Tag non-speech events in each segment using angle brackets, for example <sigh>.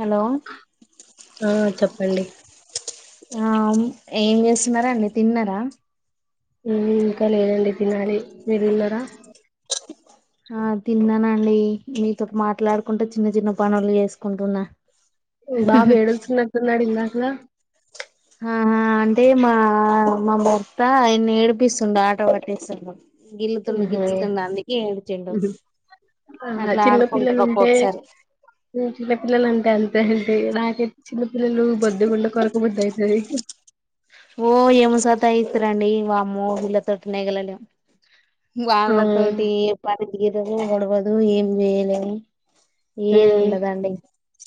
Hello ఆ చెప్ పళ్ళలి ఆ ఏం చేస్తున్నారండి తిన్నరా ఉ ఇంకా లేదండి తినాలి మీరు తిన్నారా ఆ తిన్నానండి మీతోటి మాట్లాడుకుంట చిన్న చిన్న పనులు చేసుకుంటున్నా బాబు ఏడుస్తునట్టున్నడు ఇందాక హ ఆహా అంటే మా అమ్మ మొత్త ఆయన ఏడిపిస్తుండు ఆట పట్టిస్తుండు హ ఏడిచిండు అట్లా ఆడుకుంటారు చిన్నపిల్లలుంటే ఒక్కొక్కసారి చిన్నపిల్లలుంటే అంతే నాకె పిల్లలు బొద్దుగుంటే కొరకబుద్దయితది వామో వీళ్ల తోటే నేగలేం ఆ వాళ్ళతోటి ఎ పరి మడబదు ఏం మేలే ఉమ్ ఏదుండదండి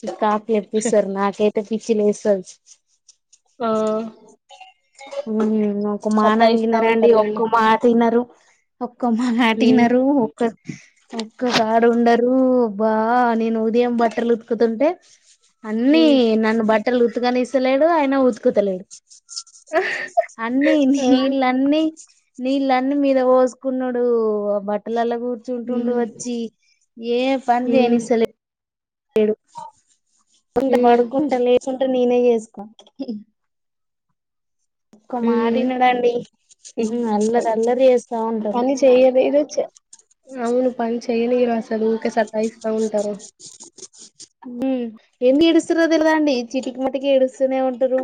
చకా ఎపిసర్ నాకె పిచ్చి లేస్తాంది ఆ అవు ఒక సత్తాయిస్తా మానంగినరండి ఉంటారులేండి ఒక్క మాట వినరు అఓ కొమ్మ ఉమ్ నాటినరు ఒక్క ఒక్క కాడ ఉండరు బా నేను ఉదయం బట్టలు ఉతుకుతుంటే అన్నీ ఉమ్ నన్ బట్ట బట్టలు ఉతుకనిస్తలేడు అయన ఉతుకుతలేడు అన్నీ న ఆ ఇల్ అన్నీ నీళ్ళన్నీ మీద పోసుకున్నడు బట్టలలా కూర్చుంటుండు ఉమ్ వచ్చి ఏ పని ఉమ్ చేయనిస్తలే ఏ కింద ఉమ్ పడుకుంటా లేేకుంటా నేనే చేసుకో ఒక్క మాట ఇనడండి ఉమ్ అల్లరి అల్లరి చేస్తా ఉంటారు పని చెయదు ఏదో అవును పని చెయదు మీరు అసలు ఊరికే సతాయిస్తా స్తా ఉంటారు ఏమి ఏడుస్తరో తెలిదండి చిటికి మాటికి ఏడుస్తూనే ఉంటరు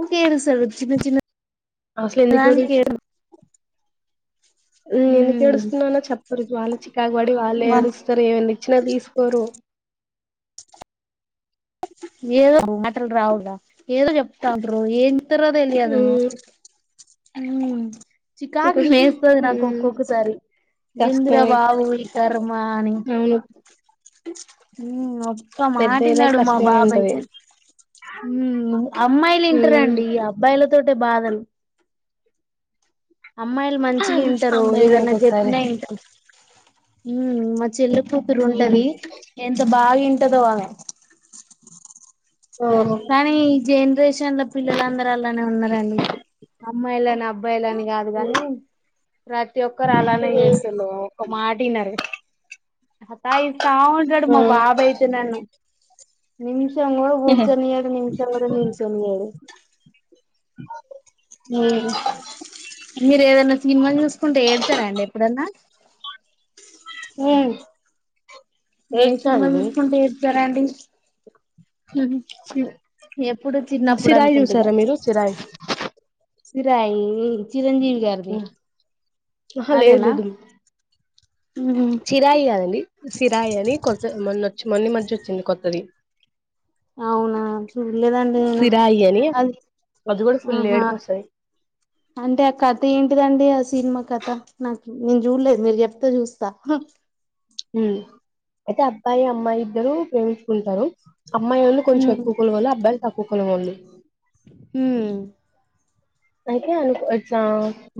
ఊకే ఏడుస్తారు చిన్న చిన్న అసలు ఎందుకివడు దానికి ఏడు ఎందుకు ఏడుస్తున్నానో చెప్పరు. వాళ్ళు చికాకు పడి వాళ్ళే ఉమ్ ఏడుస్తారు. ఏమన్నా ఇచ్చినా తీసుకోరు. ఏదో మాటలు రావుగా ఏదో చెప్తా ఉంటారు. ఏం తర్వాత ఎల్లి అదేమో హ్మ్. అవును చికాకు నేస్తది నాకు హ్మ్. ఒక్కొక్కసారి ఏంది రా కష్టమే బాబు ఈ ఖర్మ అని అవును. హ్మ్ అబ్ నా మాట వి పెద్దయ్యేదాకా న్నాడు మా కష్టమే ఉంటది. బాబైతే ఊ అమ్మాయిలు వింట హ్మ్. రండి అబ్బాయిల తోటే బాధలు అమ్మాయిలు మంచిగ ఇంటరు అమ్మాయిలు కూడా ఏదన్నా ఒక్కొక్కసారి చెప్పినా వింటా హ్మ్ మ చెల్లి కూతురు హ్మ్. ఉంటది ఎంత బాగా ఇంటది ఆమె ఓహో! కానీ ఈ జనరేషన్ లో పిల్లలందరూ అలానే ఉన్నారండి అమ్మాయిలని అబ్బాయిలని గాదు గాని ప్రతి ఒక్కరు అలానే చేస్తుండు ఒక మా తిన్నారా అట్టా ఇస్తా ఉంటడు మా హ్మ్. బాబయితే నన్ను నిమిష్ చెంగుమని గూచ్ శని గాడు నించోని కూడా నించోనీయడు. హ్మ్ మీరు ఏదన్నా సినిమా చూసుకుంటే ఏడ్చారా అండి ఎప్పుడన్నా హ్మ్ ఏ సినిమా ఏంటండి? చూసుకుంట ఏడ్చారండి. సి ఎప్పుడు చిన్నప్పుడు సిరాయి అనుకుంటగా చూసారా మీరు? చిరాయి. సిరాయి చిరంజీవి గారిది హ్మ్ ఆహా లేదు అదేనా లేదు ఉమ్ చిరాయి కాదండి సిరాయి అని కొత్త మొన్న వచ్చి మొన్ని మధ్య వచ్చింది కొత్తది. అవునా చూడలేదండి నేను సిరాయి అని అది అది కూడా ఫుల్ ఆహా ఏడుపు వస్తది అంటే ఆ కథ ఏంటిదండి ఆ సినిమా కథ నాకు నేను చూడలేదు మీరు చెప్తే చూస్తా అయితే అబ్బాయి అమ్మాయి ఇద్దరు ప్రేమించుకుంటరు. అమ్మాయోళ్ళు కొంచెం ఉమ్ ఎక్కువ కులమోళ్ళు అబ్బాయి తక్ కూఖల మందిలి హ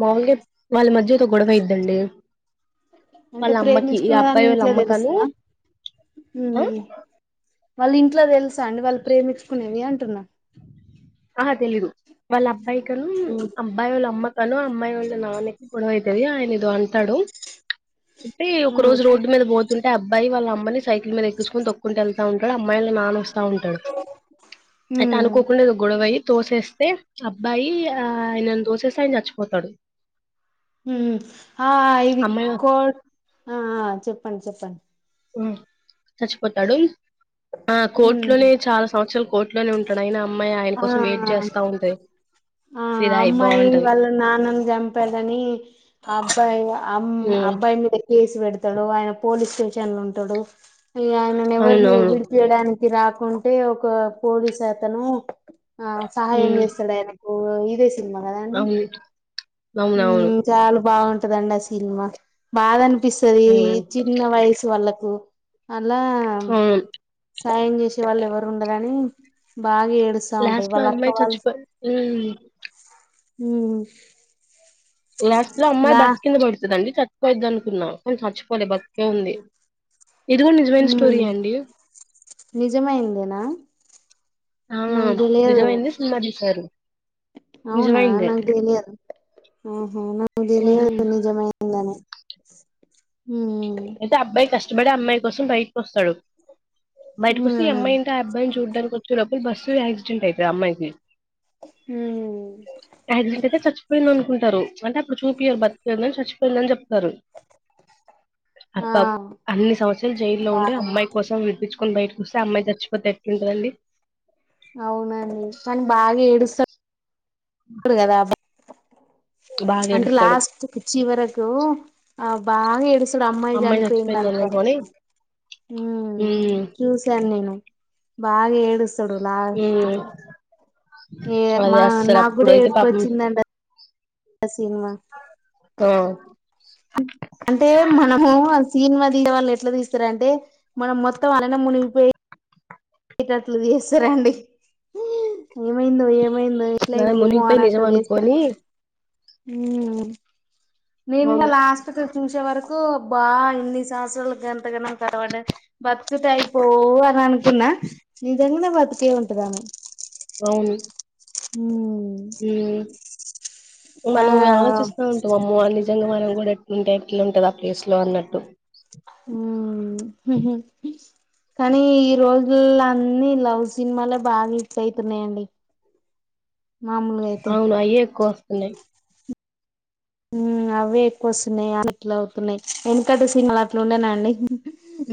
మాముూలుగా వాళ్ళ మధ్య ఎదో గొడవ ఐదండి అంటే ప్రేమించుకున్నదాని ఇంట్లో అమ్మకను తెలుస్తుందా ఆ వాళ్ళు ఇంట్లో తెలుసా అండి వాళ్ళు ప్రేమించుకునేవి అంటున్నా ఆహా తెలీదు వాళ్ళ అబ్బాయి కను ఉమ్ అబ్బాయి వాళ్ళ అమ్మ తను అమ్మాయి వాళ్ళ నాన్న్యకి గొడవ అవుతది ఆయన ఇదో అంటాడు అంటే ఆ ఒక రోజు రోడ్డు మీద పోతుంట ఎ అబ్బాయి వాల్ అమ్మని సైకిల్ మీద ఎకించుకొని తొకుంట వెల్త్ వెనుకల అమ్మాయి వాళ్ళ నాన్న వాస్తు బాగుంటాడు అయితే ఉమ్ అనుకోకుండా అబ్బయి తోసేస్తే అబ్బాయి ఆ ఆయనన్ను తోసేస్తే ఆయన చచ్చిపోతాడు ఆ ఇది అమ్మాయి కో ఆ చెప్పండి చెప్పండి సచ్చిపోతాడుల్ ఆ ఉమ్ కోర్టులోనే చాలా సంవత్సరలు కోట్లోనే ఉంటాడు ఆయిన ఆ ఆ ఫిదాయి అమ్మాయి బావుంటది. వాళ్ళ నాన్నని చంపదని ఆ అబ్బాయి అమ్ హ్మ్ అబ్బాయి మీద కేసు పెడతు తడవయన పోలీస్ స్టేషన్ ల ఉంటాడు మి ఆయనను ఎవరిని అవునవును. విడిపియడానికి రార అంటే ఒక పోలీస్ అతను ఆ సహాయం హ్మ్ చేస్తాడు ఆయన ఇద సినిమా కదా అండి అవును. అవునవును. చాలా బాగుంట దం సినిమా బాధని ప్ప సరి హ్మ్ చిన్న వయసు వల్ల అలా అవును. సాయం చేసే వాళ్ళు ఎవరు ఉండరని ఏడుస్తా ఉంటది లాస్ట్ లో వాళ్ళ అక్క అమ్మాయి వాళ్ళు చచ్చిపో ఉ ఉమ్ లాస్ట్ లో అమ్మ లా బస్ కింద పడుతదండి పోయిద్ది అనుకున్నాం కాని సచ్చిపోలే బతికే ఉంది ఇది కూడా నిజమైన హ స్టోరీయే అండి. నిజమైందేనా ఆ నాకు తెలియదు నిజమైంది సినిమా చుశారు అవునా నకు దెలియదు ఆహ నకు ఉమ్. దెలియదు నిజ మయందనే ఐతె అబ్బాయి కష్టపడి అమ్మాయి వసు బయటకి వస్తాడు బయటకు వస్తె ఈ ఉమ్ అమ్మాయి ఇంకా అ ఆబ్బాయిని చూడడానికి లోపల బస్సు యాక్సిడెంట్ అయింది అమ్మాయిలది ఉమ్ పోయింది అనుకుంటారు అంటే అక్కడ చూపియారు బతికిన కాని చచ్చిపోయిందని చెప్తారు ఆ అబ్బా అన్ని సంవత్సరాలు జైల్లో ఉండే బాగా అమ్మాయి కోసం బయటకి వస్తే అమ్మాయి చచ్చిపోతే ఎట్టుంట దండి అవునండి కాని బాగా ఏడుస్తాడు ఇప్పడు కదా బాగా అంటే ఏడుస్తాడు లాస్ట్ కుర్చీ వరకు తో ఆ బాగా ఎడ్ చూడ్ అమ్మాయి చనిపోయింది చచ్చిపోయింది అనుకో అనగానే హ్మ్ ఉమ్ చూసాను నేను బాగా ఏ హ్మ్ ఏ మా నాకు కూడా ఏడ్పు పాపం వచ్చిందండి ఆ సినిమా ఆ ఫ్రెండ్ వాళ్ళు ఎట్లా తీస్తార్ అంటే మనం మొత్తం అననం మునిగిపోయి నైట్ అట్ల చేస్తారండి ఏమైందో ఏమో ఏమందో ఎట్ల నాన్న అయినదో మునిగిపోయి నిజం అనట్టు చేస్తార్ అనుకొని హ్మ్ మేం గూడా అవును లాస్ట్కు చేసే వరకు కు బా ఇన్ని సంవత్సరాల గంట <unintelligible> బత్కతే అయిపోవు అని అనుకున్నా నిజంగానే బతికే ఉంటదని అవును హ్మ్ హ ఆ మనం ఆలోచిస్తూ ఉంటాం అమ్మ నిజంగా మనం కూడా ఎట్లుంటే ఎట్లా ఉంటది ఆ ప్లేస్ లో అన్నట్టు హ కానీ ఈ రోజుల అన్నిీ లవ్ సినిమాలే బాగా హిస్ అయితున్నాయంండి అవును అయ్యేక్క అ అవే ఎక్కువ వస్తున్నాయి అ ఇట్లా అవుతున్నాయి ఎనుకంట సినిమాలు అట్లు ఉండేనా అండి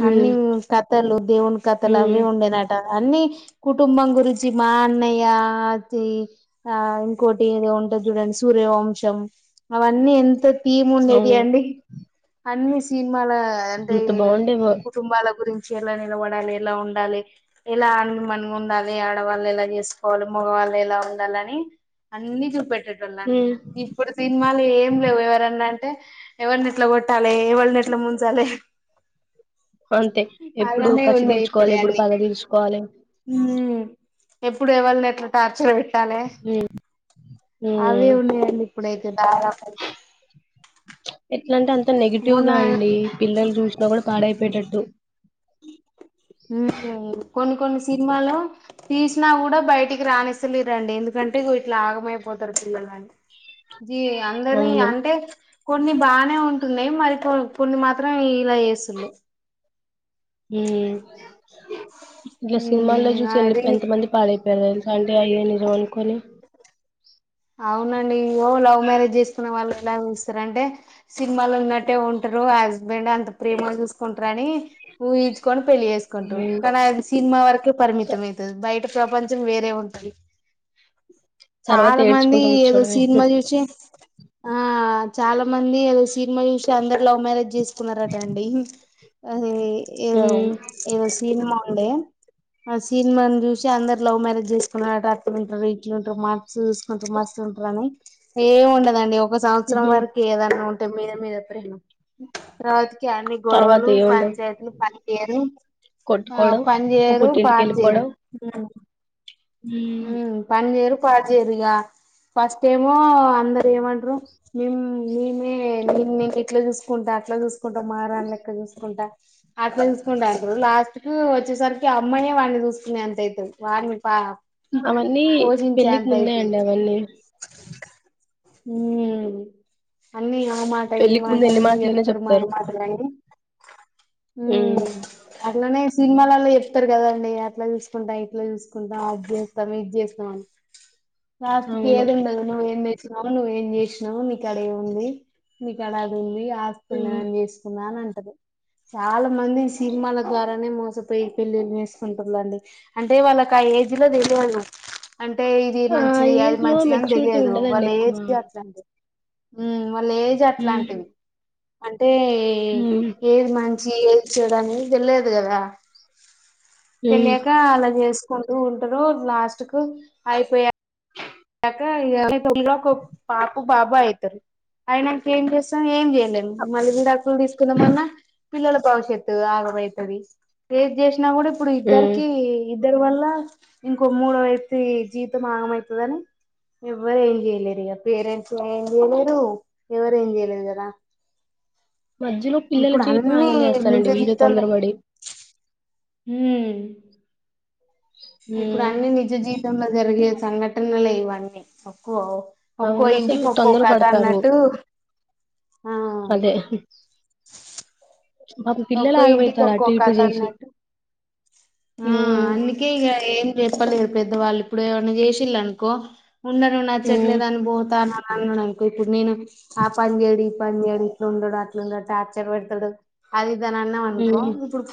ఉమ్ అన్నిీ కథలు దేవుని కథలు ఉమ్ అవిే ఉండేనట అన్నీ కుటుంబం గురించి మా అన్నయ్య అతి ఆ ఇంకోటి ఏదో ఉంటది చూడండి సూర్యవంశం అవన్నీ ఎంత తీముండేది అవును అండి అన్ని సీన్ కు మాల అంట ఇంత బాగుండేవో కుటుంబాల గురించి ఎలా నిలబడాలి ఎలా ఉండాలి ఎలా ఆ మనగా ఉండాలి ఆడవాళ్ళు ఎలా చేసుకోవాలి మగవాళ్ళు ఎలా ఉండాలిని అన్ని చూపె ఉమ్ ళడిప్పుడు ఏం లేవు ఎవరన్నా అంటే ఎవరిని ఎట్లా కొట్టాలి ఎవరిని ఎట్లా ముంచాలి అంతే ఎప్పుడు అలానే కసిి ఉన్నాయి ఇప్పుడే తీర్చుకోవాలి ఎప్పుడు అన్ని పగ తీర్సుుకోవాలి ఉమ్ ఎప్పుడు ఎవళని ఎట్లా టార్చర్ పెట్ ట్టాల ఉమ్ అవి ఉమ్ ఉన్నాయంండి ఇప్పుడయితే ఎట్లా అంటే అంత నెగిటివ్గా మొన్న అండి పిల్లలు చూసినా కూడా పాడయిపటట్టు కొని కొన్ని సినిమాలు తీసినా కూడా బయటికి రానిస్తలే రండి ఎందుకంటే ఇట్లా ఆగమైపోతారు పిల్లలు అ జీ అందరినీ అవును అంటే కొన్ని బాగానే ఉంటున్నాయి మరి కొ కొన్ని మాత్రం ఇలా వసుళు హ ఇలా సినిమాల్లో మ్మ్ చూసి ఎ అది ఎంత మంది పాడైంది సంండే అయ్య నిజం అనుకుొని అవునండి ఇయ్యో లవ్ మ్యారేజ్ చేసుకున్న వాళ్ళు ఎలా చూస్తారు అంటే సినిమాలు ఉన్నట్టే ఉంటారు ఆ హస్బెండ్ అంత ప్రేమ చూసుకుంటారు అని ఊహచ్చుకొని పెళ్ళలి చేసుకుంట్రారు ఉమ్ కానీ ఆ సినిమా వరకే పరిమిత అవుతుంది బయట ప్రపంచం వేరే ఉంటది తర్వాత ఏడ్చు వీడు సిన్మా చూసి ఆ చాలా మంది తెల్సు సినిమాలు చూసి అందరూ లవ్ మ్యారేజ్ చెస్ కున్నారట అండి అది ఏదో ఉమ్ ఏదో సిన్మా ఉండే ఆ సిన్మా ను చూసి అందరు లవ్ మ్యారేజ్ చేసుకున్నన్నారుట అట్లుంటారు ఇట్లుంటారు మార్క్స్ చ అంతా మస్తు ఉంటాడని ఏమీ ఉండదండి ఒక సంవత్సరం ఉహు వరకు ఏదన్నా ఉ అంతా మీద మీద ప్రేమా ఇగ అన్ని తర్వాత గొడవలు ఏముండవు పంచాయతీలు, ఫస్ట్ ఇయర్ కొట్టుకోవడం పని చేయరు పుట్టింటికి పాట చేయరు వెళ్ళిపోవడం హమ్ పని చెయ్యరు పాస్ చెయ్యరిగా ఫస్ట్ ఏమో అందరు ఏమంటారు మేము గిట్ల చూసుకుంటా, అట్లా చూసుకుంటాం మహారాణి లెక్క చూసుకుంటా అట్లా చూసుకుంటా అంటారు లాస్ట్ కు వచ్చేసరికి అమ్మాయిే వాడి్ని చూసుకునే అంతైతు వాడిని పా అవన్నీ పోషించే పెళ్ళికి ముందేయంండి అవన్నీ వీరే అన్నయ ఆ మాట ఇ పెళ్ళికి మాట, ముందు ఎన్ని అన్ని మాటలైనా చెప్తారు మాయమాటలన్నీ హమ్ ఉమ్ అట్లనే చెప్తారు సినిమాలలో చెప్తారు కదండీ అట్లా చూసుకుంటా ఇట్లా చూసుకుంటా అది చేస్తాం ఇది చేసినామని లాస్ట్ కి అవును ఏది ఉండదు మనంఎన్ని అవు నువ్వు ఏం చేసినావు నీ కాడ ఏముంది నీ కాడ అది ఉంది ఆస్తి ఉన్నా ఉమ్ అని చేసుకున్నాను అని ఆన్ చాలా మంది సినిమాల ద్వారానే మోసపోయి పెళ్లిళ్ళు చేేసుకుంటురుండి అంటే వాళ్ళకి ఆ ఏజ్ లో తెల్వదు అంటే ఇది మంచ్ ఆ మంచిది అది ఏజ్ లో మంచిదని మెచ్యూరిటీ తెలియదు ఉండదండి వాళ్ళ ఎక్కువ ఏజ్ దే అట్లాంటిది హమ్ వాళ్ళే ఏజ్ ఉమ్ అట్లాంటిది టే ఉమ్ ఏది మం చేయొచ్చుడని తెలియదు కదా ఉమ్ తెలియక అలా చేస్ కొంటూ ఉంటారు లాస్ట్ కు అయిపోయ యక ఇగ <inaudible> పాపు బాబు అయితరు అయినంక ఏం చేస్ తం ఏం చేయలేం మళ్ళీ విడాకులు తీసుకుందామన్నా పిల్లల భవిష్యత్ ఆగమయితది ఏది చేస్ న కూడ ఇప్పుడు ఉమ్ ఇద్దరికి ఇద్దరు వల్ల ఇంకో మూడో వ్యక్తి జీవితం ఆగమైతదని ఎవ్వరు ఏం చేయలేరు ఇగ పేరెంట్స్ ఏం చేయలేరు ఎవరు ఏం చేయలేరు కదా మధ్యలో పిల్లల ఇప్పుడు జీవితం అన్నీ ఆగం చేస్తారండి వీళ్ళు తొందరబడి హమ్ ఇప్పుడు ఉమ్ అన్నీ నిజ జీవితంల జరిగే సంఘటనలే ఇవన్నీ <unintelligible> ఒక్కో అవును అసలు ఇంటికి ఒక్కో తొందర కథ పడతారు అన్నట్టు ఆ అదే పాపం పిల్లలు ఒక్కో ఇంటికి ఆగమైతారు ఒక్కో అటు ఇటు కథ చేసి అన్నట్టు ఆ ఉమ్ అందుకే ఇగ ఏం చెప్పలేదు పెద్దవాళ్ళు ఇప్పుడు ఎవన్న చేశిన్లనుకో ఉండరు ఉమ్ నచ్చట్లేదు అని పోతాన్న అన్నాను అనుకో ఇప్పుడు నేను ఆ పని చేయడు ఈ పని చేయడు ఇట్లా ఉండడు అట్లా ఉండడు టార్చర్ పెడతడు అది ఏదన్న అన్నం అనుకో ఉమ్ ఇప్పుడు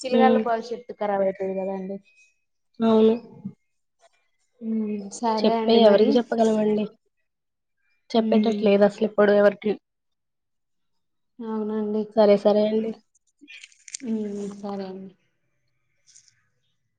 పిలగాళ్ల ఉమ్ భవిషత్ కరాబ్ అయితది గదా అండి అవును హమ్ చెప్పే ఎవరికి చెప్పగలం అండి ఉమ్, చెప్పేటట్లేదు అసలు ఇప్పుడు ఎవరి కి అవునండి సరే అండి హమ్ సరే అండి